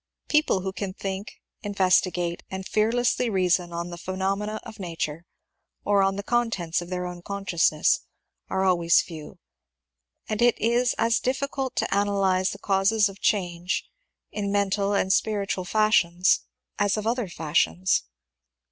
The people who can think, investigate, and fearlessly reason on the phenomena of nature, or on the contents of their own consciousness, are always few, and it is as difficult to analyze the causes of change in mental and spiritual fashions as of GEORGE MACDONALD 347 other fashions.